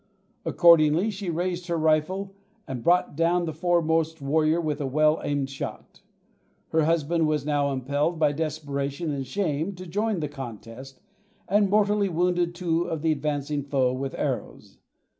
Accordingly she raised her rifle and brought down the foremost warrior with a well aimed shot. Her husband was now impelled by desperation and shame to join the contest, and mortally wounded two of the advancing foe with arrows.